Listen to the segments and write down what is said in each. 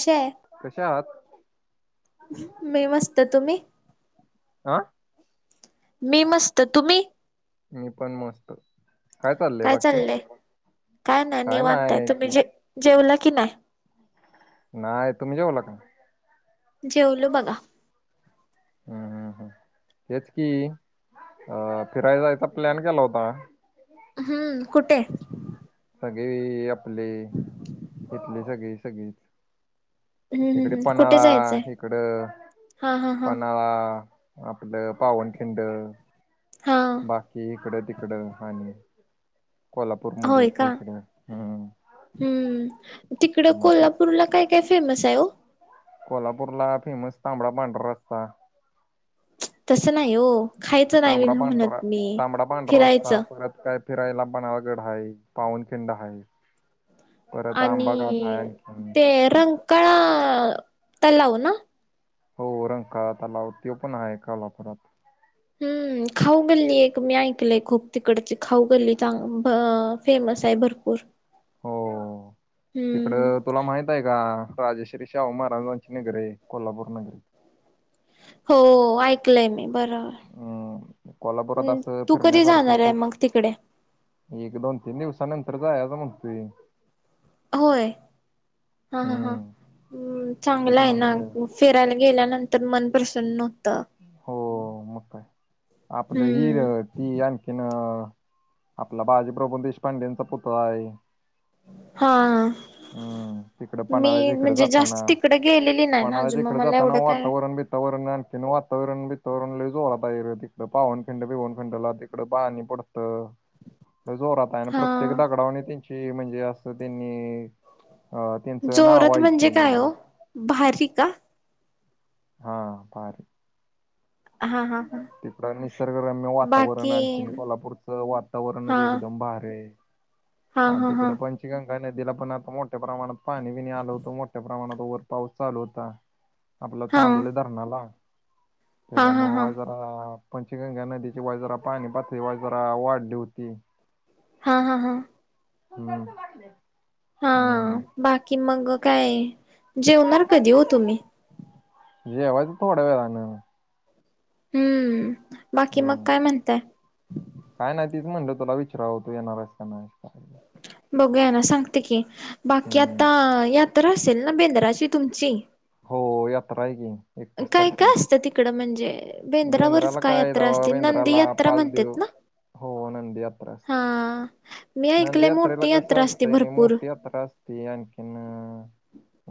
शे कशा आहात? मी मस्त तुम्ही? आ मी मस्त तुम्ही? मी पण मस्त. चाललंय काय बाकी चाललय काय नाही निवांतय, नाही तुम्ही ते जे जेवला की नाही? नाय तुम्ही जेवला का? जेवलो बघा. हम्म हम् हम् तेच की. अ फिराय जायचा प्लॅन केला होता. हम्म कुठे? सगळे आपले इथले सगळे सगळीच हम्म हम्म इकडे हम्म कुठे पनळा जायचंय? इकडं हा हा हा पनळा आपलं पावनखिंड हा बाकी इकडे तिकडं हनी होय का हम्म तिकड मग तीच कोल्हापूरला काय य फेमस आहेय ओ. कोल्हापूरला फेमस तांबडा पांढरा रसा. तसं नाही हो. तांबडा पांढरा तांबडा पांढरा रस्ता फिरायचं परत काय फिरायला पन्हाळागड ह पावनखिंड हा. आणि आणखी ते रंगकाळा तलाव ना. हो रंगकाळा तलाव तो पण आहे काला पररात. हम्म. खाऊगल्ली एक मी ऐकलय खूप तिकडची खाऊ गल्ली चांग फेमस आहे भरपूर. हो. हम्म. इकडं तुला माहित आहे का राजेश्री शाहू महाराजांची नगर आहे कोल्हापूर नगरी. हो ऐकलंय मी बरोबर. हम्म कोल्हापुरात हम् असं तू कधी फिरण्यासारखं जाणार आहे खूप मग तिकडे. एक दोन तीन दिवसा नंतर जायच म्हणतोय. होय हा ह ह हम्म चांगला तेच आहे ना म्हंटलं म. फिरायला गेल्यानंतर मनप्रसन्न. हो मग काय आपलं हिर हम्म ती आणखी किन आपला बाजीप्रभू देशपांडेंचा पुतळा आहे. हा. हम्म तिकडे मी पन्हाळ्याच्या इकडे म्हणजे जाताना जास्त तिकडे गेलेली नाही ना अजून मग मला एवढं काय वरर न तिनवा [inaudible] वातरण बितरणले जोलात आहे तिकडं पाहनखिंड बिऊन खखिंडला तिकं पाणी पडतं. ह. जोरात आहे आणि प्रत्येक दगडावणे त्यांची म्हणजे असं त्यांनी अ त्यांचं नाव आहेती म्हणजे भारिका. हा पाारी. हा हा हा तिथ निसर्गरम्य बाकी वातावरण आणखीन कोल्हापूरचं वातावरणच एकदम भारी आहे. ह. आणि तिकड पंचगंगा नदीला पण आता मोठ्या प्रमाणात पाणी विणी आलं होतं मोठ्या प्रमाणात वर. पाऊस चालू होता आपला हा चांदोले धरणाला हा हा त्याच्यामु हा पंचगंगा नदीची वजरा पाणी पातळी वाज जरा वाढली होती. हा-हा-हा. कर. [inaudible] हा बाकी मग काय जेवणार कधी हो तुम्ही. जेवा थोड्या वेळान. हम्म बाकी मग हम्म काय म्हणताय. काय नाही तीच म्हटलं तुला विचारावतो येणारस का नाही. बघूया ना सांगते की बाकी हम्म आता यात्रा असेल ना बेंद्राची तुमची. हो यात्रा आहे की. काय काय असतं तिकडं म्हणजे? बेंद्रावरच बेंद्रला काय हे यात्रा बाबा असते नंदी बेंद्राला यात्रा म्हणतात पाझिटिव्ह. ना हो नंदियात्रा हा असते मी ऐकलंय नंदीयात्रेला मोठी कस यात्रा असते असतंय भरपूर मोठी यात्रा असते. ते आणखीन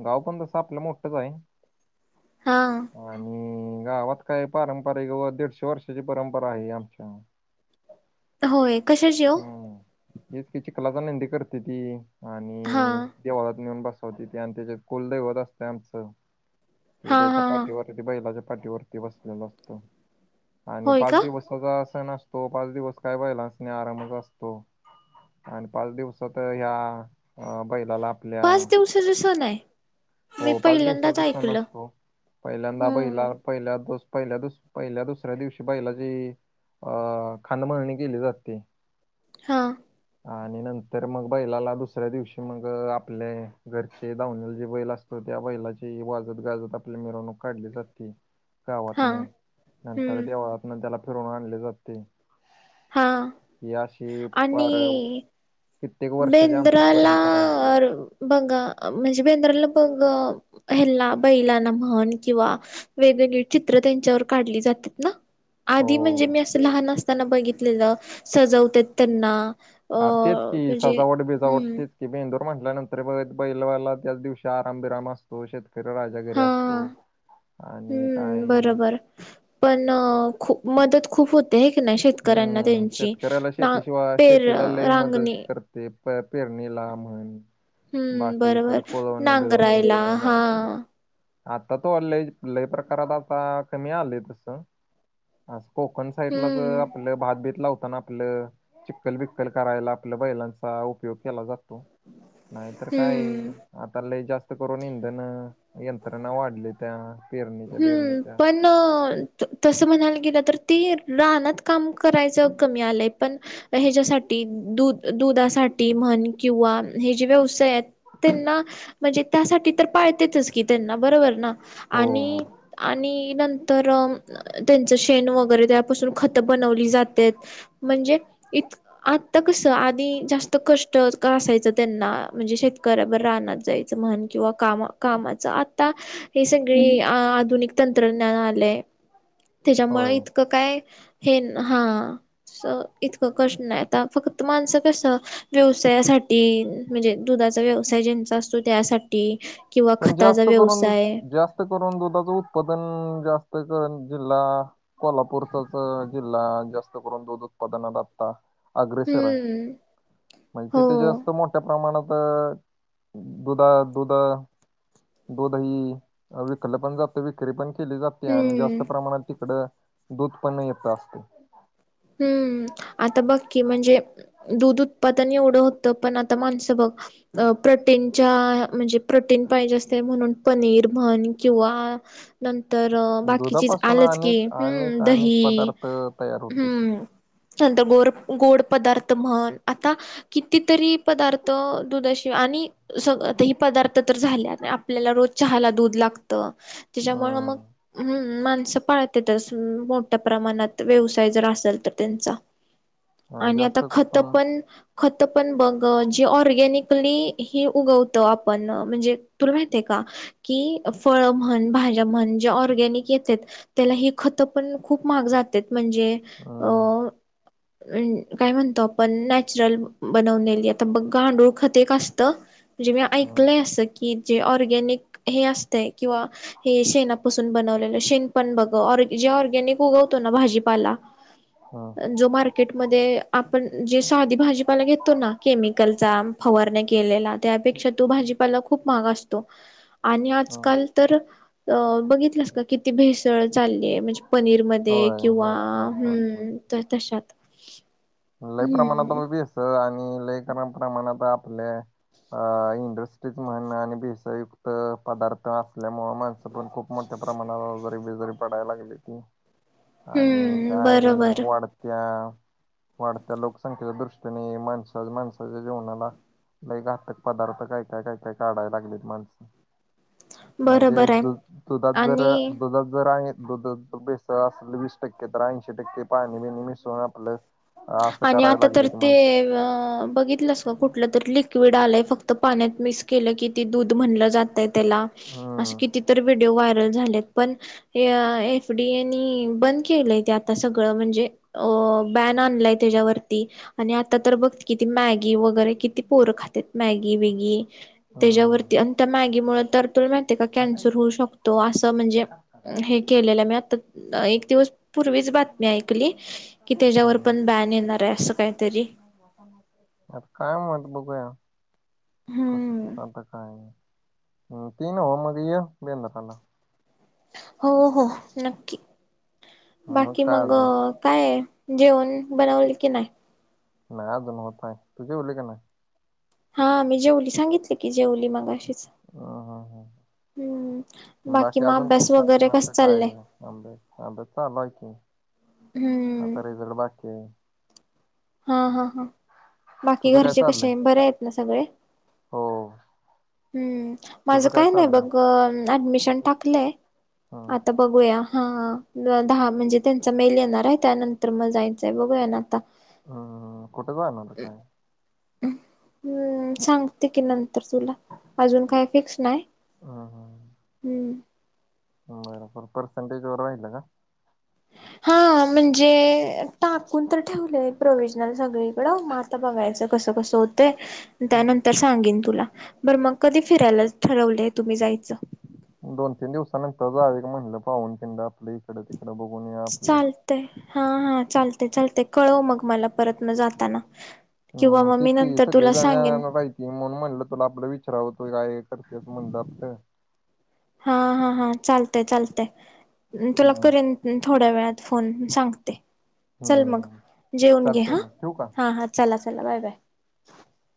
गाव पण तस आपलं मोठंच आहे. हा. आणि गावात काय पारंपरिक व दीडशे वर्षाची परंपरा आहे आमच्या. होय कशाची हो हम्, हेच कि चिकलाचा नंदी करते ती हा आणि देवालात नेऊन बसवती ते आणि त्या कुलदैवत असते आमचं ते हा त्याच्या हा हा पाठीवर ती बैलाच्या पाठीवरती बसलेल असतो आणि होय पाच का दिवस सगळं सण असतो पाच दिवस काय बैलासणी आरामचा असतो. आणि पाच दिवसात ह्या बैलाला. आपल्या पाच दिवसाच सण आहे? हो मी पाच पहिल्यांदाच दिवसाचा सण ऐकलं असतो पहिल्यांदा बैला हम्म पहिल्या दुस, पहिल्यास, पहिल्या दुसऱ्या दिवशी बैलाची. अ खणमरणी केली जाते. हां. आणि नंतर मग बैलाला दुसऱ्या दिवशी मग आपले घरचे धावने जे बैल असत. तर त्या बैलाची वाजत-गाजत आपली मिरवणूक काढली जाते. हा गावातनं, नंतर हम्म देवळातन त्याला फिरवून आणले जाते. हा हे अशी प आणि बेंद्राला परंपरा आहे. अ बघ म्हणजे बेंद्राला बघ हेल्ला बैलाना म्हण किंवा वेगवेगळी चित्र त्यांच्यावर काढली जातात ना? आधी म्हणजे हो. मी असं लहान असताना बघितलेलं सजवतात. त्यांना अ म्हणजे सजावट-बिजावट हम्म तेच कि बेंदूर म्हटल्यानंतर बघ बैलवाला त्याच दिवशी आराम-विराम असतोे. शेत फिर राजागिरीे हा असतो आणि हम्म काय. [unintelligible] पण खूप, मदत खूप होत ते हे कणी शेतकऱ्यांना हम्म त्यांची शेतकऱ्याला ना पेर, रांगणी. ते प पेरणीला म्हण. हम्म बाकी बरोबर इकड कोलोणे-बिलवणी नांगरायला इकडे आहे ना. हा आता तोवर लय, लय प्रकारात आता कमी आलेय तस. अस कोकण साईडलाच हम्म आपलं भातभेतला होता ना आपलं. चिक्कल-बिककल करायला आपल्या बैलांचा उपयोग केला जातो. नाहीतर काय हम्म आता लय जास्त करून इंधन यंत्रणा वाढलेत. त्या पेरणीच्या, हम्म पेरणीच्या. पण तसं म्हणायला गेलं तर ते राहनात काम करायचं कमी आलंय पण मग ह्याच्यासाठी दुध-दुधासाठी म्हण किंवा हे जे व्यवसाय आहेत. त्यांना म्हणजे त्यासाठी तर पाळतेतच की त्यांना बरोबर ना हो आणि हो. आणि नंतर अ त्यांचं शेण वगैरे त्यापासून खत बनवली जाते. म्हणजे इत आता कस आधी जास्त कष्ट [unintelligible] असायचं त्यांना. म्हणजे शेतकऱ्याबर रानात जायचं म्हण. किंवा कामा- कामाच. आता, हे सगळी आधुनिक तंत्रज्ञान आलंय. तेज्यामुळं होय. इतकं काय, हे न. हा. स इतकं कष्ट नाही. आता फक्त माणसं कसं, व्यवसायासाठी म्हणजे दुधाचा व्यवसाय ज्यांचा असतो, त्यासाठी. किंवा पण खताचा जास्त करून व्यवसाय. जास्त करून दुधाचं उत्पादन जास्तिचं जिल्हा कोल्हापूरचाच अ जिल्हा, जास्त करून दूध उत्पादनात आता अग्रेसराय. हम्म म्हणजे हो तिथे जास्त मोठ्या प्रमाणात, दुधा दुध, दु दही. अ विकलं पण जातं. विकरी पण केली जाते. आणि हम्म जास्त प्रमाणात तिकडं, दूध पण येत असतय. हम्म. आता बघ की म्हणजे दूध उत्पादन एवढं होतं. पण, आता माणसं बघ. अ प्रोटीनच्या, म्हणजे प्रोटीन पाहिजे असतय. म्हणून, पनीर म्हन किंवा नंतर बाकी चीज दुधापासून आलंच की. अनेक हम्म. अनेक अनेक दही पदार्थ तयार हो हम्म. नंतर गोर- गोड पदार्थ म्हण. आता कितीतरी पदार्थ दुधाशी आणि सग ह आता ही पदार्थ तर झाल्या. आपल्याला रोज चहाला दूध लाग त्याच्यामुळे मग्. हम्म हं, माणसं पाळत्यातच, मोठ्या प्रमाणात व्यवसा साय जर असल तर त्यांचा. आणि आता जास्त खत हम्म पण खतं पण बघ, अ जी ऑर्गॅनिकली ही उगवतो आपण. म्हणजे तुला माहेतेय का? की, फळ म्हण, भाज्या म्हण. ज्या ऑर्गॅनिक येतेत त्याला हे खतं पण, खूप महाग जातेत. म्हणजे अ हम्म न काय म्हणतो, आपण? नॅचरल बनवलेली. आता बघ, गांडूळ खत एक असतं. म्हणजे मी हम्म ऐकलंय असं. की, जे ऑर्गॅनिक हे असतय किंवा हे शेणापासून बनवलेलं. शेण पण बघ. ऑर् जे ऑर्गॅनिक उगवतो ना. भाजी पाला. हम्म जो मार् केटमध्ये. आपण जे साधी भाजीपाला घेतो ना. केमिकलचा, फवारण्या केलेला. त्यापेक्षा तो भाजीपाला खूप महाग असतो. आणि हम्म. आजकाल तर, अ बघितलंस का? किती भेसळ चाललीय. म्हणजे पनीरमध्ये होय वा, होय होय होय होय हम्म. तर तशात. लय हम्म प्रमाणातमही भेसळ आणि लय प्रमाणात आपल्या अ इंडस्ट्रीज म्हण आणि भेसळयुक्त पदार्थ असल्यामुळ. माण पण खूप मोठ्या प्रमाणात, आजारी - बीजारी पडायला लागल्याती. आणि हम्म काय, बरोबर वाढत्या वाढत्या लोकसंख्येच्या दृष्टीने, माणसा- माणसाच्या जीवनाला लई घातक पदार्थ, काय- काय, काय- काय काढाय लागलेत माणसं. [inaudible] म्हणजे बरोबर आहे दु दुधात जर, आणि दुधात जर आहे. दुध भेसळ असलं वीस टक्के. तर ऐंशी टक्के पाणी- बिनि मिसळून आपलं असं आणि करायला आता लागले तर ते माणसं अ बघितलंस कुठलं तरी लिक्विड आलंय. फक्त पाण्यात मीस केलं की, ती दूध म्हणलं जातय. त्याला. असे हम्म कितीतर व्हिडिओ, व्हायरल झालेत. एफ डीयेनि बंद केलंय ते आता सगळं. म्हणजे अ बॅन णाणलाय त्याच्यावरती आणि आता तर बघ की किती मॅगी वगैरे किती पोरं खातात मॅगी बगी त्याच्यावर हम्म ते अन तर मॅगीमुळ तर तूला माहितीये का कॅन्सर होऊ शकतो असं म्हणजे हे केलेले मी आता अ एक दिवस पूर्वीच बातमी ऐकली की त्याच्यावर हम्म पण बॅन येणार आहे असं काहीतरी. [inaudible] आता काय म्हणत बघूया कस हम्म कस आता काय. [unintelligible] हो हो नक्की बाकी काय मग अजून काय ये. जेवण बनवले की नाही. नाही अजून होत नाही तु जेवली का नाय. हा मी जेवली सांगितले की जेवली मगाशीच. हा हा हा. बाकी मग अजून काय अभ्यास वगैरे कस शिक्षणाचं काय चाललंय म चाललंय माझं चालू आहे की. हम्म. आता रिझल्ट बाकी आहे. हा हा हा बाकी तुझं काय घरचे चाललंय कसे बरे आहेत ना सगळे. हो हम्म माझ तुझं काय नाही चाललंय बघ ऍडमिशन टाकलंय हम्म आता बघूया हा दहा म्हणजे त्यांचा मेल येणार आहे त्यानंतर मग जायचंय बघूया ना आता. अ कुठ जाणार काय? हम्म सांग तेकी नंतर तुला अजून काय फिक्स नाही हम्म हम्म. बर बर पर्सेंटेज वर राहिल का. हा म्हणजे टाकून तर ठेवलंय प्रोवि्हजनल सगळीकडं म आता बघायचं. कस कस होतंय हम्म. त्यानं तर सांगेन तुला बरं मग कधी फिरायला ठरवलय तुम्ही जायचं? दोन तीन दिवसानंतर जाविल म्हणलं पाहूनथंड आपल्या इकडं. तिकडं बघून या. आपलं चालतय हा हा चालतय चालतय कळव मग मला परतन जातांना. हम्म तिथली सगळी जागा यायला पाहिजे. की म्हणून म्हणलं तुला आपलं विचारावतो काय करते असं म्हणलं आत. हा हा हा चालतय चालतय तुला हम्म करेन थोड्या वेळात फोन म सांगते चल मग हम्म जेऊन घे चालतंय हा मग ठेवू का हा हा. चला चला बाय बाय. [inaudible]